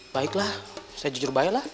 baiklah saya jujur baiklah